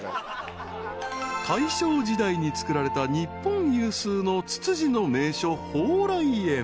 ［大正時代に造られた日本有数のツツジの名所］